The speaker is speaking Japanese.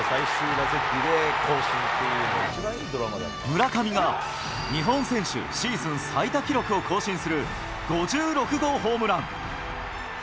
村上が日本選手シーズン最多記録を更新する、５６号ホームラン。